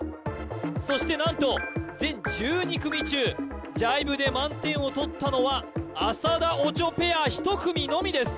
そして何と全１２組中ジャイブで満点を取ったのは浅田・オチョペア１組のみです